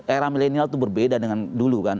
era milenial itu berbeda dengan dulu kan